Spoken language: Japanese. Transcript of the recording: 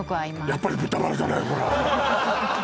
やっぱり豚バラじゃないほら